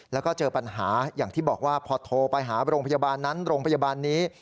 แล้วก็เจอปัญหาอย่างที่บอกว่าพอโทรไปหาโรงพยาบาลนั้นโรงพยาบาลนี้